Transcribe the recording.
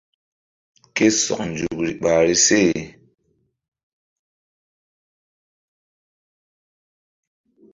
Ke sɔk nzukri ɓahri se.